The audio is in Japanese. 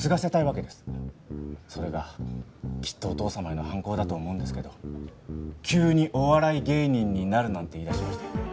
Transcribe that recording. それがきっとお父様への反抗だと思うんですけど急にお笑い芸人になるなんて言い出しまして。